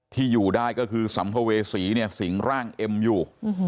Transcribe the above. ที่อยู่ได้ก็คือสัมภเวษีเนี่ยสิงร่างเอ็มอยู่